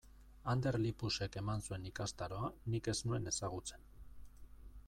Ander Lipusek eman zuen ikastaroa nik ez nuen ezagutzen.